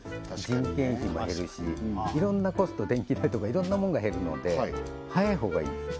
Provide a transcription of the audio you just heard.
人件費も減るしいろんなコスト電気代とかいろんなものが減るので速い方がいいです